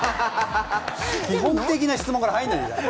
基本的な質問から入らないで！